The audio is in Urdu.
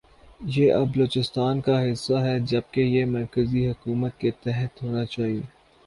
یہ اب بلوچستان کا حصہ ھے جبکہ یہ مرکزی حکومت کے تحت ھوناچاھیے۔